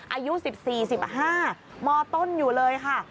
อายุ๑๔๑๕มต้นอยู่เลยค่ะ